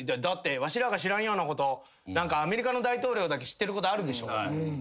「だってわしらが知らんようなことアメリカの大統領だけ知ってることあるでしょ」